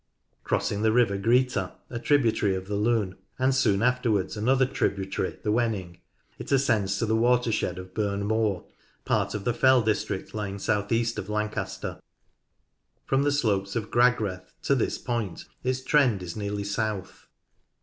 Crossing the river Greeta, a tributary of the Lune, and soon afterwards another tributary, the Wenning, it ascends to the water shed of Burn Moor, part of the fell district lying south east of Lancaster. From the slopes of Gragreth to this point its trend is nearly south.